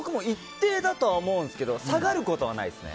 僕も一定だとは思うんですけど下がることはないですね。